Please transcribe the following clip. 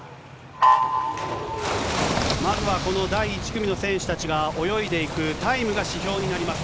まずはこの第１組の選手たちが泳いでいくタイムが指標になります。